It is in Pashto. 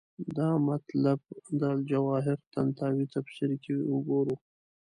دا مطلب د الجواهر طنطاوي تفسیر کې وګورو.